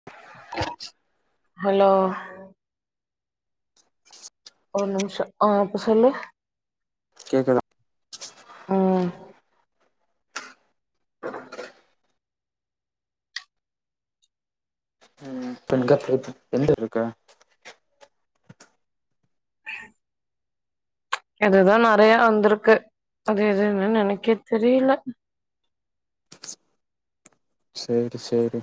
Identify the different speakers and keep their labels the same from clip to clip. Speaker 1: ஆ
Speaker 2: hello ஒரு நிமிஷம் ஆ இப்ப சொல்லு
Speaker 1: கேக்குதா
Speaker 2: அ
Speaker 1: பெண்க எந்த இருக்க
Speaker 2: [unintelligible] அதுதா நெறைய வந்துருக்கு அது எதுனு நெனைக்க தெரியல
Speaker 1: சேரி சேரி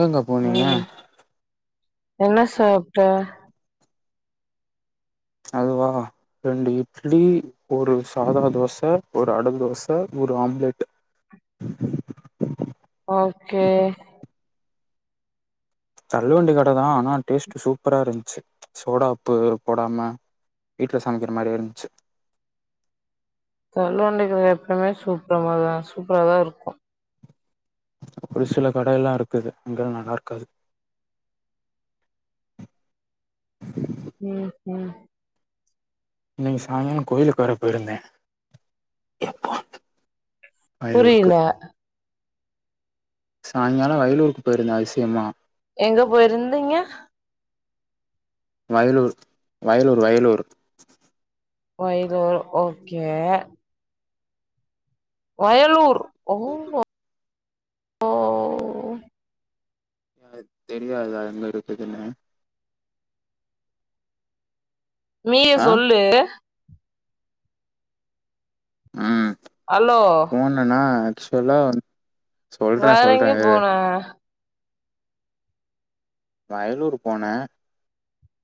Speaker 1: எங்கங்க போனீங்க
Speaker 2: ம் என்ன சாப்ட்ட
Speaker 1: அதுவா ரெண்டு இட்லி ஒரு சாதா தோச ஒரு அட தோச ஒரு ஆம்லெட் [unintelligible]
Speaker 2: ஓகே
Speaker 1: தள்ளு வண்டி கட தா ஆனா டேஸ்ட்டு சூப்பரா இருந்துச்சு சோடா உப்பு போடாம வீட்ல சமைக்கிற மாரியே இருந்துச்சு
Speaker 2: தள்ளு வண்டி கட எப்பமே சூப்பரமாதா சூப்பரா தா இருக்கும்
Speaker 1: ஒரு சில கடைல்லா இருக்குது அங்கல்லா நல்லா இருக்காது
Speaker 2: ம் ம்
Speaker 1: இன்னைக்கு சாயிங்காலம் கோயிலுக்கு வேற போயிருந்த எப்பா
Speaker 2: புரியல
Speaker 1: சாயிங்காலம் வயலூருக்கு போயிருந்த அதிசயமா
Speaker 2: எங்க போயிருந்தீங்க
Speaker 1: வயலூர் வயலூர் வயலூர்
Speaker 2: வயலூர் ஓகே வயலூர் ரொம்பே ஓ
Speaker 1: அது தெரியாத எங்க இருக்குதுன்னு
Speaker 2: நீயே
Speaker 1: ஆ
Speaker 2: சொல்லு
Speaker 1: ம்
Speaker 2: ஹலோ
Speaker 1: சொன்னான ஆக்சுவலா வந் சொல்றே சொல்றே இரு
Speaker 2: ஆ
Speaker 1: வயலூர் போனே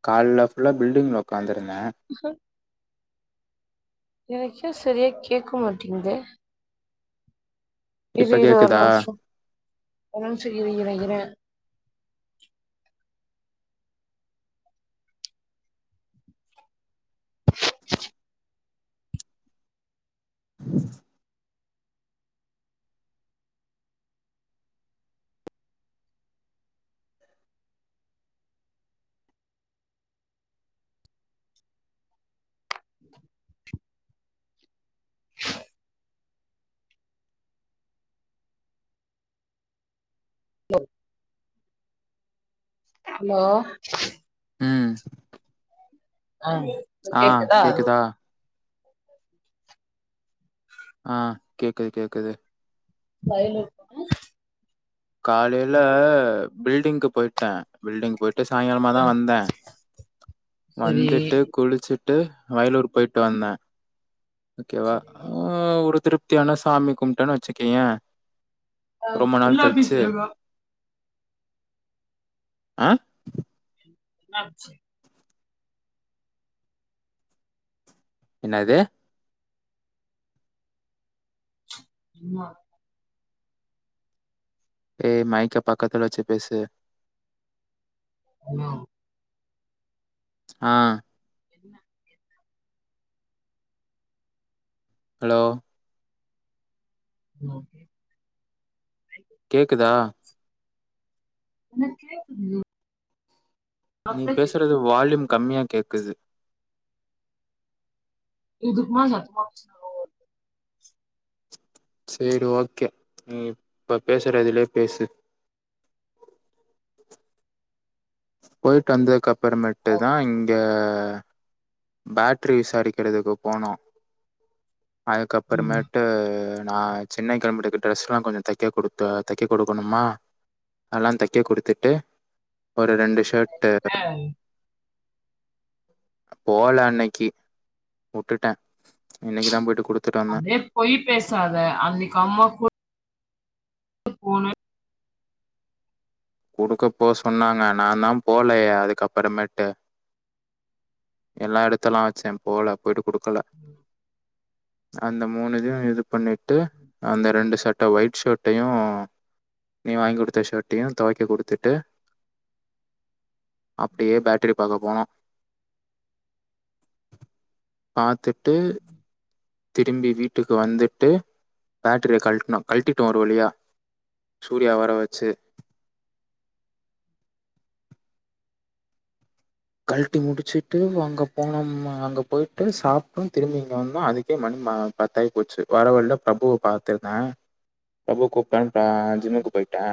Speaker 1: காலைல ஃபுல்லா பில்டிங்கில்ல உக்காந்து இருந்தே
Speaker 2: ஆ ஹா எனக்கு ஏன் சரியா கேட்க மாட்டேங்குது இரு
Speaker 1: இப்ப
Speaker 2: இரு ஒரு
Speaker 1: கேக்குதா?
Speaker 2: நிமிஷ ஒரு நிமிஷ இரு இரு இரு
Speaker 1: [inaudible]
Speaker 2: லோ ஹலோ
Speaker 1: ம்
Speaker 2: ஆ
Speaker 1: ஆ கேக்குதா
Speaker 2: எப்புடி
Speaker 1: ஆ கேக்குது கேக்குது
Speaker 2: வயலூர்
Speaker 1: காலையில பில்டிங்கு போயிட்டே பில்டிங் போயி ட்டு சாயங்காலமா தா
Speaker 2: ம்
Speaker 1: வந்தே
Speaker 2: சரி
Speaker 1: வந்துட்டு குளிச்சுட்டு ட்டு வயலூர் போயிட்டு வந்தே ஓகே வா
Speaker 2: சரி.
Speaker 1: ஆ ஒரு திருப்தியான சாமி கும்பிட்டேன்னு வச்சிக்கேயே
Speaker 2: ஆ மெரினா பீச்
Speaker 1: து ஆ
Speaker 2: என்னாச்சு
Speaker 1: என்னாது
Speaker 2: என்ன
Speaker 1: ஏய் மைக்கா பக்கத்துல வச்சு பேசு
Speaker 2: ஹலோ
Speaker 1: ஆ
Speaker 2: என்ன
Speaker 1: ஹலோ
Speaker 2: ம்
Speaker 1: கேக்குதா
Speaker 2: எனக் கேக்குது
Speaker 1: நீ
Speaker 2: அப்படி கேக்குது.
Speaker 1: பேசுறது வால்யூம் கம்மியாக கேட்குது
Speaker 2: இதுக்கு மேல சத்தமா பேச
Speaker 1: சேரி ஓகே நீ இப்ப பேசுற இதுலயே பேசு போயிடிட்டு வந்ததுக்கு அப்புற மேட்டு தா இங்க பேட்டரி விசாரிக்கிறதுக்கு போனோ
Speaker 2: ம்
Speaker 1: அதுக்கப்புறமேட்டு நா சென்னை கிளம்பறதுக்கு டிரெஸ் எல்லா கொஞ்ச தைக்க கொடுத்த தைக்க கொடுக்கணுமா எல்லாந் தைக்க குடுத்துட்டு ஒரு ரெண்டு ஷர்ட்டு
Speaker 2: ஏ
Speaker 1: போல அன்னைக்கி வுட்டுட்டே இன்னைக்கிதா போயிட்டு குடுத்துட்டு வந்தே
Speaker 2: அப்டியே பொய் பேசாத அன்னைக்கி அம்மா கூ போன்னு
Speaker 1: குடுக்க போ சொன்னாங்க நான்தா போலயே அதுக்கப்புறமேட்டு எல்லா எடுத்தெல்லா வச்சே போல போயிட்டு குடுக்கல
Speaker 2: ம்
Speaker 1: அந்த மூணு இதயு இது பண்ணிட்டு அந்த ரெண்டு சட் ட ஒயிட் ஷர்ட்டையு நீ வாங்கி குடுத்த ஷர்ட்டையு தொவைக்க குடுத்துட்டு அப்டியே பேட்ரி பாக்க போனோ பாத்துட்டு திரும்பி வீட்டுக்கு வந்துட்டு பேட்டரிய கழ்ட்னோ கழ்ட்டிட்டோ ஒரு வழியா சூர்யாவ வர வெச்சு கழ்ட்டி முடிச்சிட்டு அங்க போனோமா அங்க போயி்ட்டு சாப்ட்டோ திரும்பி இங்க வந்தோ அதுக்கே மணி ம பத்தாயிப்போச்சு வர வழில பிரபுவ பாத்திருந்தே பிரபு கூப்ட்டானு ஆ ஜிம்முக்கு போய்ட்டே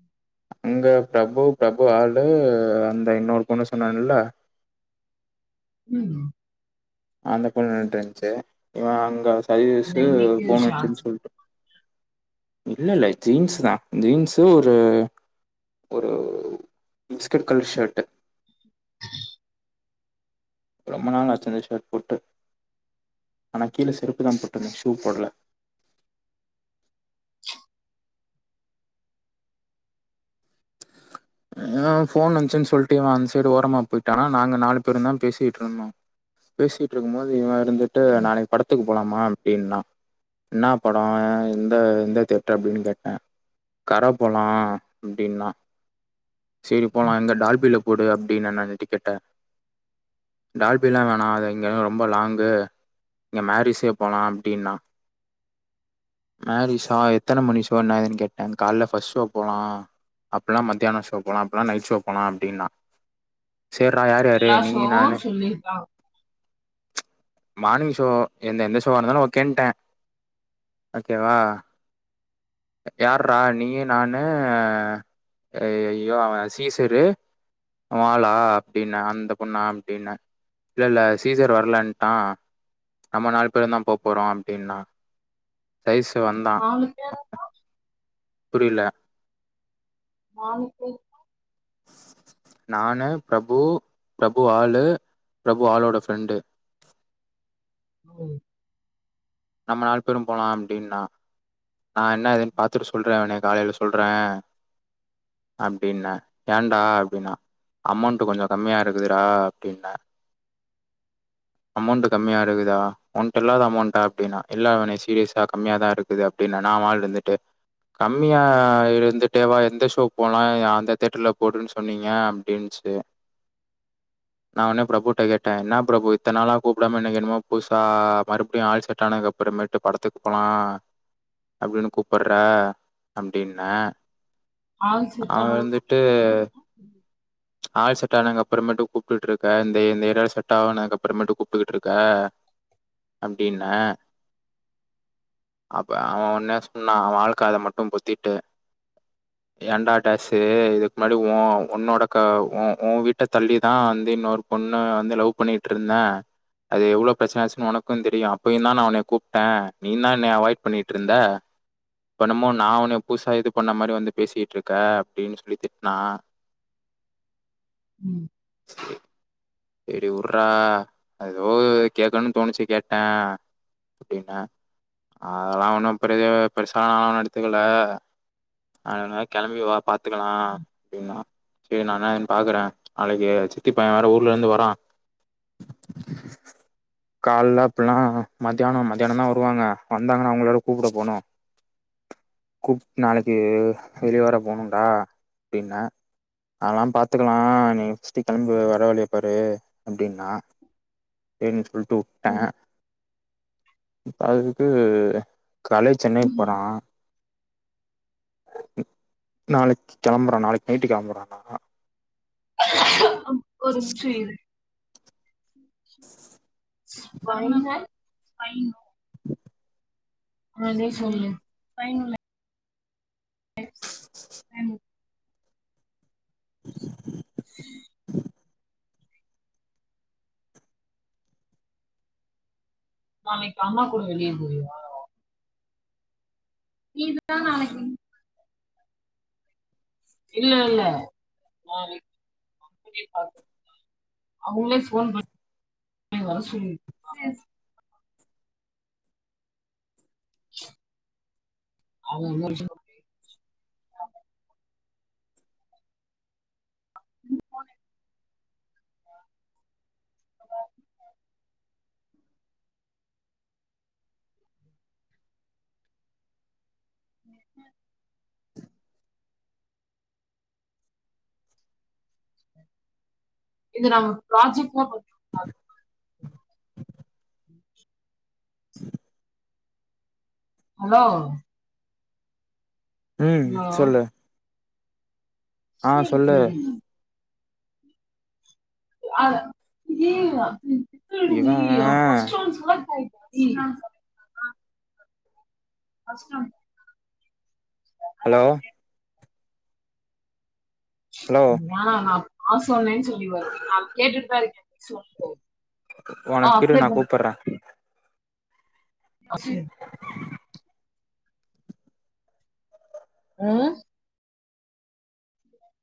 Speaker 2: ம்
Speaker 1: அங்க பிரபு பிரபு ஆளு அந்த இன்னொரு பொண்ணு சொன்னாங்கல்ல
Speaker 2: ம்
Speaker 1: அந்த பொண்ணு நின்னுட்ருந்துச்சு இவ அங்க சதீஸு
Speaker 2: இன்னைக்கு
Speaker 1: ஃபோன்
Speaker 2: ஷான்ஸ்
Speaker 1: வந்ச்சுனு சொல்ட்டு இல்ல இல்ல ஜீன்ஸுதா ஜீன்ஸு ஒரு ஒரு பிஸ்கட் கலர் ஷர்ட்டு ரொம்ப நாளாச்சு அந்த ஷர்ட் போட்டு ஆனா கீழ செருப்புதா போட்ருந்தே ஷூ போடல ஆ ஃபோன் வந்ச்சுன்னு சொல்ட்டு இவ அந்த சைடு ஓரமா போயிட்டா நாங்க நாலு பேருந்தா பேசிட்ருந்தோ பேசிட்ருக்கும் போது இவ இருந்துட்டு நாளைக்கி படத்துக்கு போலாமா அப்டின்னா என்னா படோ எந்த எந்த தேட்ரு அப்டின்னு கேட்டே கர போலா அப்டின்னா செரி போலா இந்த டால்பில போடு அப்டின்னே நானு டிக்கெட்ட டால்பிலா வேணா அது இங்கல்லா ரொம்ப லாங்கு இங்க மேரிஸே போலா அப்டின்னா மேரீஸா எத்தன மணி ஷோ என்ன ஏதுன்னு கேட்டே கால்ல ஃபர்ஸ்ட் ஷோ போலா இல்லனா மத்யான ஷோ போலா அப்டில்லனா நைட் ஷோ போலா அப்டின்னா சேர்றா யார் யாரு
Speaker 2: எல்லா
Speaker 1: நீயி
Speaker 2: ஷோவும்
Speaker 1: நானு
Speaker 2: சொல்லிருக்காங்க
Speaker 1: மானிங் ஷோ எந்த எந்த ஷோவா இருந்தாலு ஓகேன்ட்டே ஓகேவா யார்றா நீயி நானு ஆ இவ அவ சீசரு உன் ஆளா அப்டின்னே அந்த பொண்ணா அப்டின்னே இல்ல இல்ல சீசர் வரலன்ட்டா நம்ம நாலு பேருந்தா போப்போறோ அப்டின்னா சதீஸு வந்த
Speaker 2: நாலு பேரா
Speaker 1: புரியல
Speaker 2: நாலு பேரு
Speaker 1: நானு பிரபு பிரபு ஆளு பிரபு ஆளோட ஃப்ரெண்டு
Speaker 2: ம்
Speaker 1: நம்ம நாலு பேரு போலா அப்டின்னா நா என்ன இதுன் பாத்துட்டு சொல்றே உன காலையில சொல்றே அப்டின்ன ஏன்டா அப்டின்னா அமௌண்டு கொஞ்சோ கம்மியா இருக்குதுடா அப்டின்ன அமௌண்ட் கம்மிய இருக்குதா உன்ட்ட இல்லாத அமௌண்டா அப்டின்னா இல்ல இவனே சீரியஸா கம்மியாதா இருக்குது அ ப்டின்னானா அவே ஆள் வந்துட்டு கம்மியா இருந்துட்டேவா எந்த ஷோ போலா அந்த தேட்டர்ல போடுன் சொன்னீங்க அப்டின்னுச்சு நா அனே பிரபுட்ட கேட்டே இன்னா பிரபு இத்தன் நாளா கூப்டாம இன்னைக் என்னமோ புதுசா மறுப்டியு ஆள் செட்டானதுக் அப்புறமே ட்டு படத்துக்கு போலா அப்டினு கூப்புற்ற அப்டின்ன
Speaker 2: ஆள் செட்
Speaker 1: அவே
Speaker 2: ஆனதுக்கு
Speaker 1: வந்துட்டு ஆள் செட்டானகப்புறமேட்டு கூப்டுட்ருக்க இந்த ஏ இந்த ஏரியால செட்டாவனாக்க அப்புறமேட்டு கூப்டுகிட்ருக்க அப்டின்ன அவ ஒன்னே சொன்னா அவ ஆள் காத மட்டு பொத்திட்டு ஏண்டா டேஷு இதுக் முன்னாடி உ உன்னோட க உ உ வீட்ட தள்ளிதா வந்து இன்னொரு பொண்ண வந்து லவ் பண்ணிட்டுருந்தே அது எவ்ளோ ப்ரெச்சன ஆச்சுனு உனக்குந் தெரியு அப்பயுந்தா நா உனய கூப்ட்டே நீ தா என்னய அவாய்ட் பண் ட்டுருந்தா இப் என்னமோ நா உன்னய புதுசா இது பண்ண மாரி வந்து பேசிட்ருக்கே அப்டினு சொல்லி திட்னா
Speaker 2: ம்
Speaker 1: செரி உர்ரா எதோ இது கேக்கணுனு தோணுச்சு கேட்டே அப்டின்ன அதெல்லா ஒன்னு பெரிய பெருசா நாலா ஒன்னு எடுத்துக்கல அதனால் கெளம்பி வா பாத் துக்கலா அப்டின்னா சேரி நா இன்ன ஏதுன் பாக்குறே நாளைக்கி சித்தி பையன் வேற ஊ ர்லேந்து வரா கால்ல அப்பில்னா மத்தியானம் மத்தியானந்தா வருவாங்க வந்தாங்கன்னா அவுங்கள வேற கூப்புட போணு கூப் நாளைக்கு வெளிய வேற போணுன்டா அப்டின்ன அதெலா பாத்துக்கலா நீ த்திக் கெளம்பி வர வழிய பாரு அப்டின்னா செரினு சொல்ட்டு வுட்டே இப்ப அதுக்கு கலை சென்னைக் போறா நாளைக் கெளம்புறா நாளைக் நைட்டு கெளம்புறானா
Speaker 2: ஒரு நிம்ஷோ இரு [unintelligible] ஆ நீ சொல்லு ஃபைனலு வெப்சைட் [unintelligible] நாளைக் அம்மா கூட வெளிய போவியா நீ இதுதா நாளைக்கு இல்ல இல்ல நாளைக் வீடியோ கால் [unintelligible] அவுங்களே ஃபோன் பண்ணி வர சொல்லிருக்காங்க அவுங்க [unintelligible] [unintelligible] உம் இது நாம ப்ராஜெக்ட் பண்ணு ம் ஹலோ
Speaker 1: ம்
Speaker 2: ஹலோ
Speaker 1: சொல்லு ஆ சொல்லு
Speaker 2: [unintelligible]
Speaker 1: இவன்
Speaker 2: [unintelligible] கஷ்டம்
Speaker 1: ஹலோ ஹலோ
Speaker 2: நான் நா சொன்னேன்னு சொல்லி வரு நா கேட்டுட்தா இருக்கே சொல்ல
Speaker 1: உனக்கு கிரு நா கூப்பர்றே
Speaker 2: ஆ சேர் அஹ்